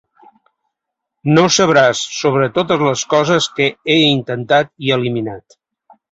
No sabràs sobre totes les coses que he intentat i eliminat.